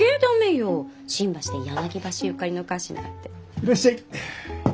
いらっしゃい。